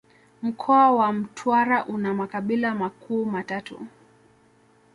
Mkoa wa Mtwara una makabila makuu matatu